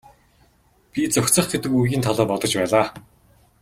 Би зохицох гэдэг үгийн талаар бодож байлаа.